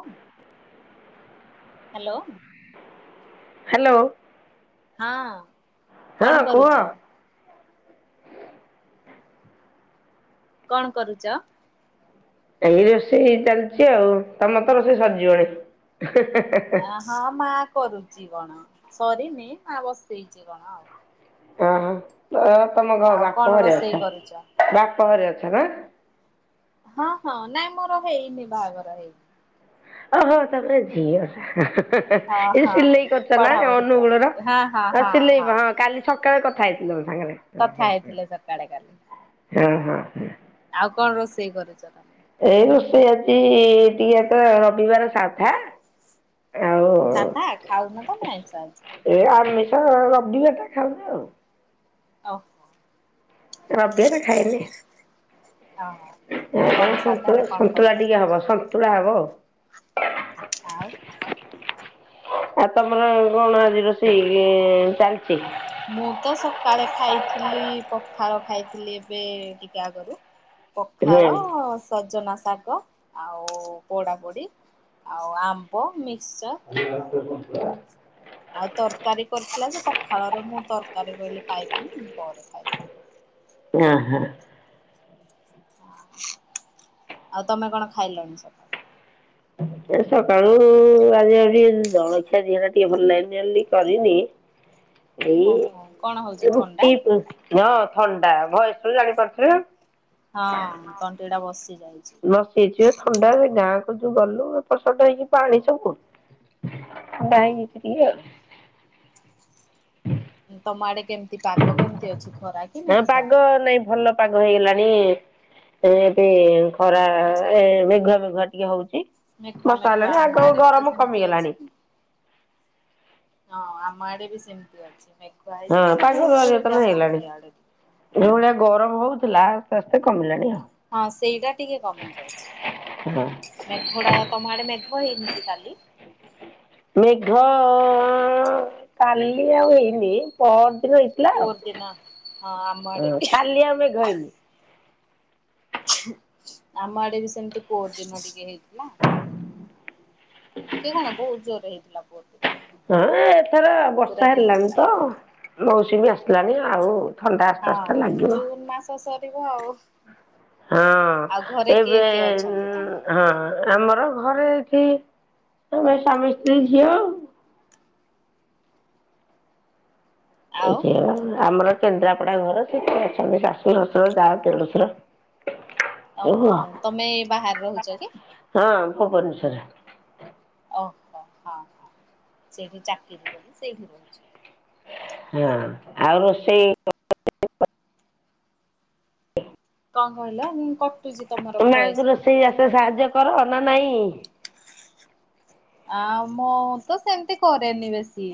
Hello. Hello. ହଁ, ହଁ କଣ କୁହ କରୁଚ? କଣ କରୁଚ? ଏଇ ରୋଷେଇ ହେଇ ଚାଲିଛି ଆଉ ତମରତ ରୋଷେଇ ସରିଯିବଣି। ଆ ହଁ ମା କରୁଛି କଣ, ସରିନି ମା ବସେଇଛି କଣ ଆଉ। ଅଁ ତ ତମ ଘ ଆଉ କଣ ବାପ ଘରେ ରୋଷେଇ ଅଛ କରୁଛ? ବା ତରେ ଅଛ ପା? ହଁ ହଁ ନାଇଁ ମୋର ହେଇନି ବାହାଘର ହେଇନି। ଓହୋ ତ ସେ ଝିଅଟା। ହଁ ଏ ହଁ। ସିଲେଇ କରୁଚ ନାଁ ଏ ପଢାପଢି ଅନୁଗୁଳର ଚାଲିଛି ହଁ ହଁ ଆ ହଁ ସିଲେଇ ହଁ କାଲି ସ କାଳେ କଥା ହେଇଥିଲ ମୋ ସାଙ୍ଗରେ ଅଁ କଥା ହଁ ହେଇଥିଲେ ସକାଳେ କାଲି। ହଁ ଅଁ ହଁ। ଆଉ କଣ ରୋଷେଇ କରୁଚ ତ ଏଇ ରୋଷେଇ ଆଜି ଟିକେ ତ ରବିବାର ସାଧା। ଆଉ ସାଧା ଖାଉ ନ ତମେ ଆଇଁଷ ଆଜି? ତ ରବିବାରଟା ଖାଉନା ଆଉ। ଆଉ ହ। ରବିବାରେ ଖାଏନି ଓହୋ। ଆ। ଆଉ କଣ ଏ ସାଧାରେ ସନ୍ତୁଳା କଣ କଣ ସନ୍ତୁଳା ଟିକେ ବନଉଛ ହବ ସନ୍ତୁଳା ହବ। ଆଉ ଆଉ ତମର କଣ ଆଜି ରୋଷେଇ ଇଏ ଚାଲଚି। ମୁଁ ତ ସକାଳେ ଖାଇଥିଲି ପଖାଳ ଖାଇଥିଲି ଏବେ ଟିକେ ଆଗରୁ। ହୁଁ ପଖାଳ ସଜନା ଶା ଗ ଆଉ ପୋଡ଼ା ପୋଡ଼ି ଆଉ ଆମ୍ବ ମି ଦେଇ ଦୋଉନ ଟିଏ ସନ୍ତୁଳା। ଆଉ ତରକାରୀ କରିଥିଲା ଯେ ପଖାଳର ମୁଁ ତରକାରୀ କହିଲି ଖାଇବିନି ପରେ ଖାଇବି। [inaudible] ଏଁ ହଁ। ଆଉ ତମେ କଣ ଖାଇଲଣି ସକାଳୁ? ଏ ସକାଳୁ ଆଜି ଆଜି ଜଳଖିଆ ଦିହଟା ଟିକେ ଭଲ ଲାଗେନି ବୋଲି କରିନି। ହ ଏଇ ରୁଟି ପୁ ହଁ ଥଣ୍ଡା ଭଏସ୍ ରୁ ଜାଣିପାରୁଥୁବେ। ହଁ ତଣ୍ଟିଟା ବସି ଯାଇ ବସିଚି ଏ ଥଣ୍ଡାରେ ଗାଁକୁ ଯୋଉ ଗଲୁ ଏପଟ ସେପଟ ହେଇକି ପାଣି ସବୁ ଥଣ୍ଡା ହେଇ ହଁ। ଯାଇଚି ଟିକେ ଆଉ। ତମ ଆଡ଼େ କେମତି ପାଗ କେମତି ଅଛି ଖରା କି ଆଉ ମେଘୁଆ? ପାଗ ନାଇଁ ଭଲ ପାଗ ହେଇଗଲାଣି ଏବେ ଖରା ଏ ମେଘୁଆ ମେଘୁଆ ଟିକେ ହଉଚି। ମେଘୁଆ ମେଘୁଆ ଆମ ଆଡ଼େ ବି ତ ସେମତି କମିଗଲାଣି ଅଛି। ହଁ ଆମ ଆଡ଼େ ବି ସେମତି ଅଛି। ମେଘୁଆ ହଁ ହେଇଛି କିନ୍ତୁ ପା ଗୁଳୁ ଗୁଳିଟା ପରିବର୍ତ୍ତନ ହଉଛି ହେଇଗଲାଣି ଇଆଡେ ଟିକେ। ଯୋଉ ଭଳିଆ ଗରମ ହଉ ଥୁଲା ଆସ୍ତେ ଆସ୍ତେ କମିିଲାଣି ଆଉ। ହଁ ସେଇଟା ଟିକେ କମି ହଁ। ଯାଇଛି ମେଘଡ଼ା ତମ ଆଡ଼େ ମେ ଘ ହେଇନି କି କାଲି? ମେଘ କାଲି ଆଉ ହେଇନି ପ ଇବେ ହେଇଥିଲା ଆଉ ପୋର ଦିନ ହଁ ଆମ ଆଡେ ଅଁ ବି କାଲି ଆଉ ମେଘ ହେଇନି। ଆମ ଆଡ଼େ ବି ସେମତି କୋଉ ଦିନ ଟିକେ ହେଇଥିଲା। ଟିକେ କଣ ବୋହୁତ ଜୋରରେ ହେଇଥିଲା ପୋଦେ। ହଁ ଏଥର ବର୍ଷା ଦିନ ହେଲାଣି ତ ସାରା। ମଉସୁମୀ ଆସିଲାଣି ଆଉ ଥଣ୍ଡା ଆସ୍ତେ ଆସ୍ତେ ହଁ ଲାଗିବ। ଜୁନ ମାସ ସରିବ ଆଉ। ଆଉ ଘରେ ହଁ କିଏ ଏବେ କିଏ ଅଛନ୍ତି ତମର? ଉଁ ହଁ ଆ ମର ଘରେ ଏଠି ଆମେ ସ୍ୱାମୀ ସ୍ତ୍ରୀ ଝିଅ ଉ। ଆଉ ଏଇଠି ଆମର କେନ୍ଦ୍ରାପଡ଼ା ଘର ସେଠି ଅଛନ୍ତି ଶାଶୁ ଶଶୁର ଯା ଦେଢ଼ଶୁର। ଅହୋ ତମେ ବାହାରେ ରହୁଚ କି? ଭୁବନେଶ୍ୱରରେ। ଅହୋ ହଁ ହଁ ସେଇଠି ଚାକିରି ବୋଲି ସେଇଠି ରହୁଚ। ହଁ ଆଉ ରୋଷେଇ କଣ କହିଲ କଟୁଛି ତମର ତ ଭଏସ ମାଙ୍କୁ ରୋଷେଇ ରାଷେଇ କଟୁଛି ଆସେ ଟିକେ। ସାହାଯ୍ୟ କର। ନା ନାଇଁ। ଆ ମୁଁ ତ ସେମିତି କରେନି ବେଶୀ।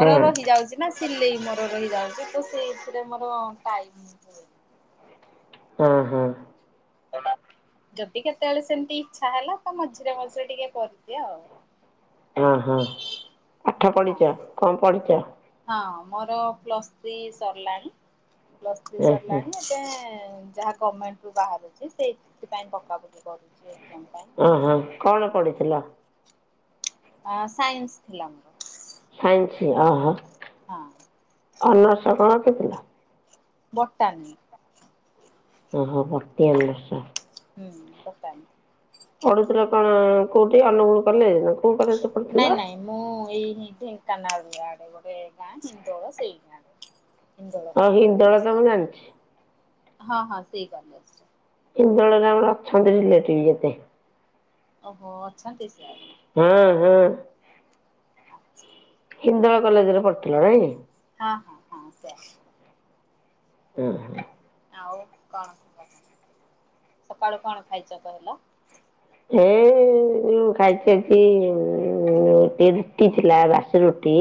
ହଁ ରହିଯାଉଛି ନା ସିଲେଇ ମୋର ରହିଯାଉଛି। ତ ସେଇଥିରେ ମୋର ଟାଇ ହନି। ଓ ହୋ। ଯଦି କେତେବେଳେ ସେମିତି ଇଚ୍ଛା ହେଲା ତ ମଝିରେ ମଝିରେ ଟିକେ କରିଦିଏ ଆଉ। ହ ହଁ ଆଠ ହଁ ପଢିଛ କମ ପଢିଛ। ହଁ ମୋର ପ୍ଲସ୍ ଥ୍ରୀ ସରିଲାଣି ପ୍ଲସ୍ ଥ୍ରୀ ଓହୋ ସରିଲାଣି। ଏବେ ଯାହା ଗମେଣ୍ଟରୁୁ ବାହାରୁଛି ସେ ସେଥିପାଇଁ ପକାପୁକି କରୁଛି। ଏକ୍ଜାମ ପାଇଁ ପିଲା। ଅ ସାଇନ୍ସ ଥିଲା ଆମର। ସାଇନ୍ସ ଅ ହ। ହଁ। ଅନର୍ସ କଣ ରଖିଥିଲ? ବଟାନି। ଓହୋ ଭତି ଆମ। ହୁଁ ବଟାନି। ପଢୁଥିଲ କଣ କୋଉଠି ଅନୁଗୁଳ କଲେଜ ନା କ ନାଇଁ ନାଇଁ ମୁଁ ଏଇ ଇ ଢେଙ୍କାନାଳରୁ ଆଡ ଗୋଟ ଗାଁ ହିନ୍ଦୋଳ ସେଇ ଗାଁ ରେ। ହିନ୍ଦୋଳ ହଁ କଲେଜ ଗୋଟେ ହିନ୍ଦୋଳ ତ ମୁଁ ସିଆଡେ ଜାଣିଛି। ହଁ ହଁ ସେଇ କଲେଜ୍ ରେ। ହିନ୍ଦୋଳରେ ଆମର ଅଛନ୍ତି ରିଲେଟିଭ ଯେତେ। ଓହୋ ଅଛନ୍ତି ସିଆଡେ। ହଁ ହଁ। ଆଚ୍ଛା। ହିନ୍ଦୋଳ କଲେଜରେ ପଢିଥିଲ ନାଇଁ। ହଁ ହଁ ହଁ ସେୟା। ହୁଁ। ଆଉ କଣ କୁହ ସକାଳୁ କଣ ଖାଇଛ କହିଲ? ହେଁ ଯୋଉଁ ଖାଇଚିନ୍ତି ଗୋଟେ ରୁଟି ଥିଲା ବାସି ରୁଟି।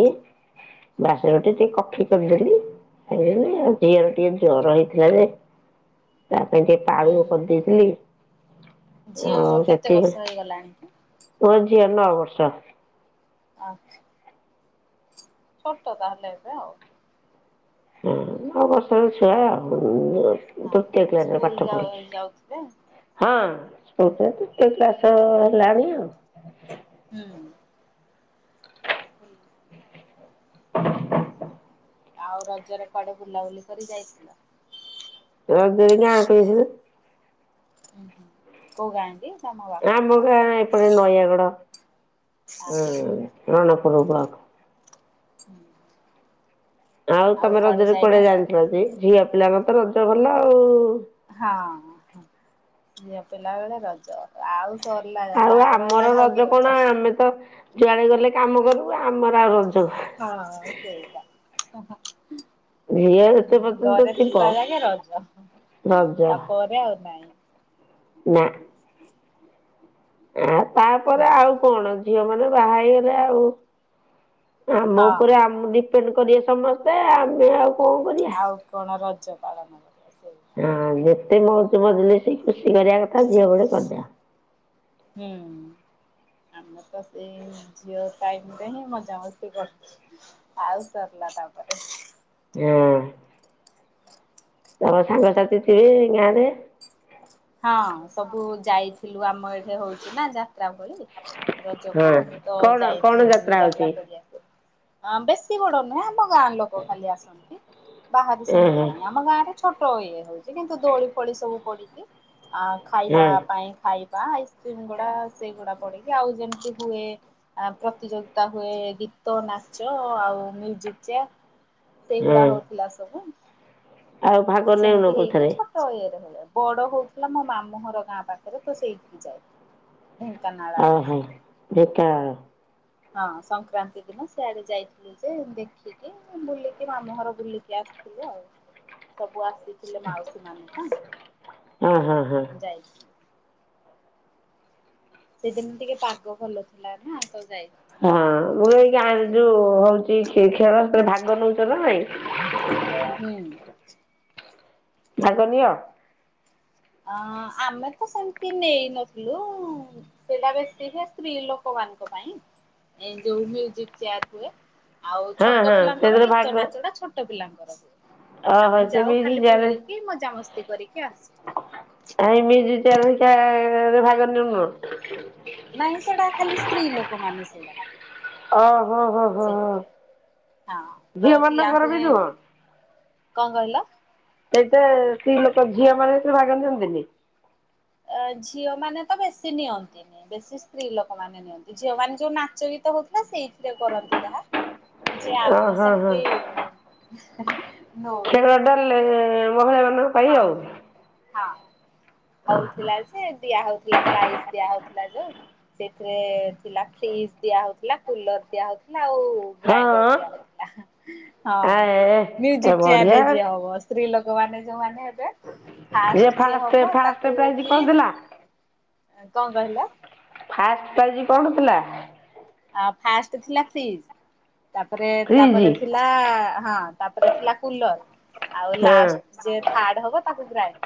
ବାସି ରୁଟି ଟିକେ କଫି। [unintelligible] ଆଉ ଝିଅର ଟିକେ ଜର ହେଇଥିଲା ଯେ ତା ପାଇଁ ଟିକେ ପାଳୁଅ ହୁଁ କରିଦେଇଥିଲି। ଝିଅ ଆଉ କେତେ ସେତିକି ବର୍ଷର ହେଇଗଲାଣି? ମୋ ଝିଅ ନ ବର୍ଷ। ଆଚ୍ଛା। ଛୋଟ ତାହାଲେ ଏବେ ଆଉ। ହଁ ନ ବର୍ଷର ଛୁଆ ଆଉ। ହଁ। ତୃତୀୟ ଶ୍ରେଣୀରେ ସ୍କୁଲ ପାଠ ଯାଉ ପଢୁଛି। ଯାଉଥିବେ ହଁ। [unintelligible] ତୃତୀୟ କ୍ଲାସ ହେଲାଣି ଆଉ। ହୁଁ। [unintelligible] [inaudible] ଆଉ ରଜରେ କୁଆଡେ ବୁଲାବୁଲି କରି ଯାଇଥିଲ? ରଜରେ ଗାଁକୁ ଯାଇଥିଲୁ। ହୁଁ ହୁଁ କୋଉ ଗାଁ କି? ତମ ବାପ ଆମ ଘର? ଗାଁ ଏପଟେ ନୟାଗଡ। ହୁଁ ଆଚ୍ଛା ରଣପୁରୁ ବ୍ଳକ। [inaudible] ଆଉ ତମେ ରଜରେ କୁଆଡେ ଯାଇଥିଲ କି ଝିଅପିଲା ମାନେ ତ ରଜ ଭଲ ଆଉ। ହଁ ଝିଅପିଲା ବେଳେ ରଜ ଆଉ ସରିଲା ଆଉ ବାହାଘର ଆମର ହେଲାଠୁ ଆଉ କି ରଜ କଣ ଆମେ ତ ଯୁଆଡେ ଗଲେ କାମ କରିବୁ ଆମର ଆଉ ରଜ ହଁ ସେଇ ତ ଅହଁ ଝିଅ ଯେତେ ପର୍ଯ୍ୟନ୍ତ ଘରେ ଥିବ ଥିବାବେଳେ ରଜ ହଁ ହଁ। ରଜ ତାପରେ ଆଉ ନାଇଁ। ନା। ଆ ହୁଁ ତାପରେ ଆଉ କଣ ଝିଅମାନେ ବାହା ହେଇଗଲେ ଆଉ ଆମ ହଁ ଉପରେ ଆମ-ଡିପେଣ୍ଡ୍ କରିବେ ସମସ୍ତେ ଆମେ ଆଉ କଣ କରିବା। ଆଉ କଣ ରଜ ପାଳନ କରିବା ସେଇଟା। ହଁ ଯେତେ ମୋଉଜ ମଜଲିସି ଖୁସି କରିବା କଥା ଝିଅ ବୋଳେ କରଦିଅ। ହୁଁ। ଆମର ତ ସେଇ ଝିଅ ଟାଇମରେ ହିଁ ମଜାମସ୍ତି କରଛୁ ଆଉ ସରଲା ତାପରେ ହଁ। ତମ ସାଙ୍ଗସାଥି ଥିବେ ଗାଁରେ? ହଁ ସବୁ ଯାଇଥିଲୁ ଆମ ଏଠି ହୋଉଚି ନା ଯା ତ୍ରା ଭଳି ହଁ ରଜକୁ ତ କଣ କଣ ଯାଇଥିଲୁ ଯାତ୍ରା ହଉଛି? ପଡିଆକୁ। ଅଁ ବେଶୀ ବଡ ନୁହଁ ମା ଗାଁ ଲୋକ ଖାଲି ଆସନ୍ତି ବାହାରୁ ସେମତି ଓହୋ ନାଇଁ ଆମ ଗାଁରେ ଛୋ ଇଏ ହୋଉଚି କିନ୍ତୁ ଦୋଳି ଫୋଳି ସବୁ ପଡିଚି ଆ ଖାଇବା ହଁ ପାଇଁ ଖାଇ ବା ଆଇସକ୍ରିମ୍ ଗୁଡା ସେଇଗୁଡା ପଡିକି ଆଉ ଯେମିତି ହୁଏ ପ୍ରତିଯୋଗିତା ହୁଏ ଗୀ ଗୀତ, ନାଚ ଆଉ ମ୍ୟୁଜିକ୍ ଚେୟାର୍ ହଁ ସେଇଗୁଡା ହଁ ହୋଉଥୁଲା ସବୁ। ଆଉ ଭାଗ ସେମତି ନେଉନ ହେଇକି କୋଉଥିରେ? ଛୋଟୋ ଇଏରେ ଭଳିଆ ବଡ ହୋଉଥୁଲା ମୋ ମାମୁଘର ଗାଁ ପାଖରେ ତ ସେଇଠିକି ଯାଏ। ଢେଙ୍କାନାଳ ଆଡେ ଓହୋ ସେଟା। ଢେଙ୍କାନାଳ। ହଁ ସଂକ୍ରାନ୍ତି ଦିନ ସିଆଡେ ଯାଇଥିଲୁ ଯେ ଦେଖିକି ବୁଲିକି ମାମୁଘର ବୁଲିକି ଆ ଆସିଲୁ ଆଉ ସବୁ ଆସିଥିଲେ ମାଉସୀମାନେ ତ। ଓ ହୋ ହୋ। ଯାଇଥିଲୁ। ସେଦିନ ଟିକେ ପାଗ ଭଲ ଥିଲା ନା ତ ଯାଇ ହଁ ମୁଁ ବି ଏଇ ଗାଁରେ ଯୋଉ ହୋଉଚି ଖେ-ଖେଳ ସେଥିରେ ଭାଗ ନୋଉଚ ନା ନାଇଁ? ହୁଁ। ଭାଗ ନିଅ? ଅଁ ଆମେ ତ ସେମତି ନେଇନଥିଲୁ ସେଟା ବେଶୀ ହେ ସ୍ତ୍ରୀ ଲୋକମା ମାନଙ୍କ ପାଇଁ ଏ ଯୋଉ ମ୍ୟୁଜିକ୍ ଚେୟାର୍ ହୁଏ। ଆଉ ହଁ ଛୋଟ ହଁ ପିଲାଙ୍କର ସେଥିରେ ଭାଗ ଗୀତ ନାଚଟା ଛୋଟ ପିଲାଙ୍କର। ହୁଏ। ଓହୋ ଆମେ ସେ ଯାଉ ମ୍ୟୁଜିକ୍ ଖାଲି ଚେୟାରରେ ବୁଲିକି ମଜାମସ୍ତି କରିକି ଆସୁ। ଆ ଏଇ ମ୍ୟୁଜିକ୍ ଚେୟାର୍ ହରିକା-ରେ ଭାଗ ନେଉନ? ନାଇଁ ସେଟା ଖାଲି ସ୍ତ୍ରୀ ଲୋକମାନେ ସେଇଟା। ପାଇଁ ଅ ହୋ ହୋ ହୋ ସେଥିପାଇଁ ହଁ ତ ଦିଆ ଝିଅମାନଙ୍କର ବି ହୁଏ ନୁହଁ? କଣ କହିଲ? ସେଇଟା ସ୍ତ୍ରୀଲୋକ ଝିଅମାନେ ସେଥିରେ ଭାଗ ନିଅନ୍ତିନି? ଅ ଝିଅମାନେ ତ ବେଶୀ ନିଅନ୍ତିନି, ବେଶୀ ସ୍ତ୍ରୀଲୋକ ମାନେ ନିଅନ୍ତି ଝିଅମାନେ ଯୋଉ ନାଚ ଗୀ ତ ହୋଉଥୁଲା ସେଇଥିରେ କରନ୍ତି ଯାହା। ଯେ ଓ ଆମେ ହଁ ହଁ ସେମତି ଖେଳଟା ଲେ-ମନେ ମନେ ହଁ କରିହବକି? ହଁ ହୋଉଥୁଲା ଯେ ଦିଆହୋଉଥୁଲା ପ୍ରାଇଜ୍ ଦିଆହୋଉଥୁଲା ଯୋଉ ସେଥିରେ ଥିଲା ଫ୍ରିଜ୍ ଦିଆହୋଉଥୁଲା କୁଲର୍ ଦିଆହୋଉଥୁ ଲା ଆଉ ଗ୍ରାଇଣ୍ଡର୍ ହଁ ଦିଆହୋଉଥୁଲା ହଁ ଆଏ ଏ ମ୍ୟୁଜିକ୍ ବଢିଆ ଚେୟାରରେ ଯିଏ ହବ ସ୍ତ୍ରୀ ଲୋକମାନେ ଯୋଉମାନେ ହେ [unintelligible] ଯେ ଫାଷ୍ଟ୍ ଯିଏ ଫାଷ୍ଟ ହବ ଫାଷ୍ଟ ତାକୁ ପ୍ରାଇଜ କଣ ଫ୍ରିଜ୍। ଥିଲା? କଣ କହିଲ? ଫାଷ୍ଟ୍ ପ୍ରାଇଜ୍ କଣ ଥିଲା? ଫାଷ୍ଟ୍ ଥିଲା ଫ୍ରିଜ। ତାପରେ, ଫ୍ରିଜ ତାପରେ ଥିଲା ହଁ ତାପରେ ଥିଲା କୁଲର୍। ଆଉ ହଁ ଲାଷ୍ଟ୍ ଯିଏ ଥାର୍ଡ ହବ ତାକୁ ଗ୍ରାଇ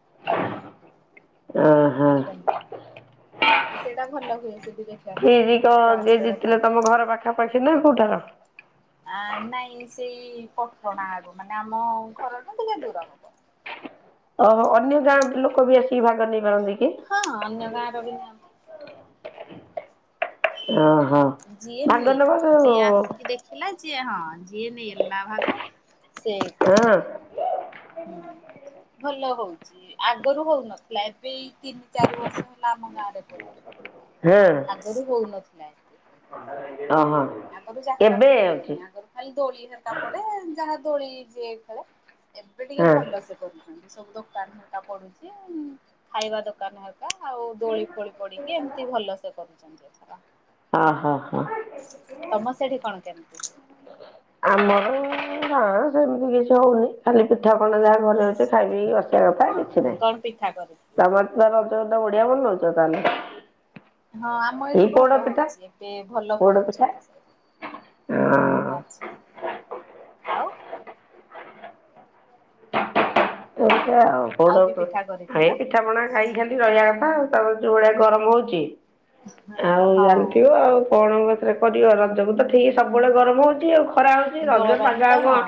[inaudible] [unintelligible] ସେଇଟା ଭଲ ହୁଏ। ସେଠି ଦେଖିବାକୁ ଫ୍ରିଜ୍ କଁ ଯିଏ ସମସ୍ତେ ଜିତିଲେ, ଦେଖାନ୍ତି। ତମ ଘର ପାଖାପାଖି ନା କୋଉଠାର? ଆ ନାଇଁ ସେଇ ପଠଣା ଆଡୁ ମାନେ ଆମ ଘରଠୁ ଟିକେ ଦୂର। [inaudible] [unintelligible] ଅନ୍ୟ ଗାଁ ଲୋକ ବି ଆସିକି ଭାଗ ନେଇ ପାରନ୍ତି କି ହଁ ଅନ୍ୟ ଗାଁ ର ବି ନିଅନ୍ତି। ହଁ। ଯିଏ ନେଲା ଯିଏ ଆସିକି ଦେଖିଲା, ଯିଏ ହଁ ଯିଏ ନେଲା ଭାଗ। ସେଇକଥା। ହଁ ହୁଁ। ଭଲ ହଉଚି ଆଗରୁ ହଉନଥିଲା, ଏବେ ଏଇ ତିନି ଚାରି ବର୍ଷ ହେଲା ଆମ ଗାଁରେ ହଁ [unintelligible] ଆଗରୁ ହୋଉନଥ୍ ଓହୋ ଆଗରୁ ଯାତ୍ରା ଏବେ ଭଳି ହଉଛି ହୁଏନି, ଆଗରୁ ଖାଲି ଦୋଳି ହେର୍କା ପଡେ ଯାହା ଦୋଳି ଯିଏ ଖେଳେ, ଏବେ ଟିକେ ହଁ ଭଲ ସେ କରୁଛନ୍ତି। ସବୁ ଦୋକାନ ହେରିକା ପଡ଼ୁଚି ଉମ୍ ଖାଇବା ଦୋକାନ ୟା ଆଉ ଦୋଳି ଫୋଳି ପଡିକି, ଏମିତି ଭଲ ସେ କରୁଛନ୍ତି ଏଥର। ହଁ ହଁ ହଁ। ତମ ସେଠି କଣ କେମିତି ହୁଏ? ଆମର ନାଁ ସେମିତି କିଛି ହଉନି ଖାଲି ପିଠା ପଣା ଯାହା ଘରେ ହଉଚି ଖାଇପିଇ କି ବସ୍। ଖାଇବା ପାଇଁ କିଛି ଓହୋ ନାଇଁ। କଣ ପିଠା କରିଥିଲ? ତମର ତ ରଜଟା ବଢିଆ ବନଉଚ ତାହେଲେ। ହଁ ଆମ ଏଇ ଏଇଠି ପୋଡ ଭଲ ପିଠା ହଉଚି। ଏବେ ଭଲ ପୋଡ ପିଠା କରୁଚନ୍ତି ସେ। ଆଚ୍ଛା ହଁ। ଆଉ। ଆଉ କି ପିଠା [unintelligible] ଏଇ ପିଠାପଣା କରିଥିଲ? ଖାଇକି ଖାଲି ରହିବା କଥା। ତାପରେ ଯୋଉଭଳିଆ ଗରମ ହଉଚି। ହଁ ଆଉ ହଁ। ଜାଣିଥିବ ଆଉ କଣ ହ ରେ କରିବ ରଜକୁ ତ ଠିକି ସବୁବେଳେ ଗରମ ହଉଚି ଆଉ। କରାହଉଚି। ରଜ ଗରମ ପାଗ ତ ଆଉ କଣ ହଁ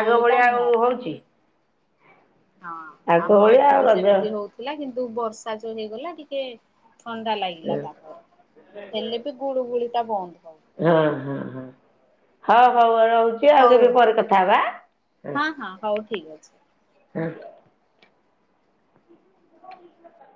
ଆଗ ଟା ଭଳିଆ ଆଉ ନିହାତି। ହଉଚି। ହଁ ଆମ ଆଗଭଳିଆ ଏଠି ଆଉ ବି ରଜ ସେମତି ହଉଥିଲା। କିନ୍ତୁ ବର୍ଷା ଯୋଉ ହେଇଗଲା ଟିକେ ଥଣ୍ଡା ଲାଗିଲା। ତାପରେ ହେଲେ ବି ଗୁଳୁ ଗୁଳିଟା ବନ୍ଦ ହଉନି। ହଁ ହଁ ହଁ ହଉ ହଉ ରହୁଚି ଆଉ ହଉ କେବେ ପରେ କଥା ହବା। ହଁ ହଁ ହଉ ଠିକ ଅଛି। [unintelligible] ହ